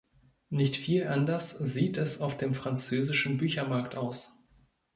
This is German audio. Nicht viel anders sieht es auf dem französischen Büchermarkt aus.